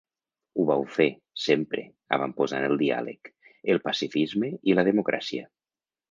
Ho vau fer, sempre, avantposant el diàleg, el pacifisme i la democràcia.